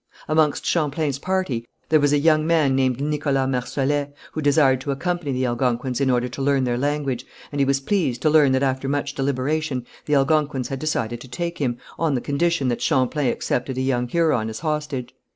Amongst Champlain's party there was a young lad named Nicholas Marsolet, who desired to accompany the Algonquins in order to learn their language, and he was pleased to learn that after much deliberation the Algonquins had decided to take him, on the condition that Champlain accepted a young Huron as hostage.